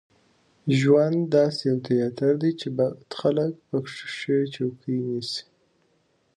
ژوند داسې یو تیاتر دی چې بد خلک په کې ښې چوکۍ نیسي.